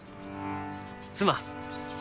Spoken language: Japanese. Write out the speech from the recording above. すまん。